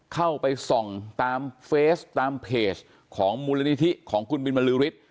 เข้าไปส่องตามเฟสตามเพจของมูลนิธิของคุณบินบรือฤทธิ์